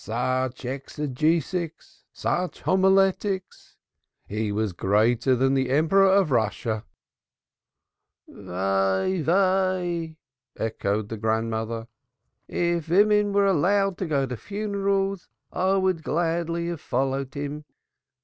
Such exegetics, such homiletics! He was greater than the Emperor of Russia. Woe! Woe!" "Woe! Woe!" echoed the grandmother. "If women were allowed to go to funerals, I would gladly have, followed him.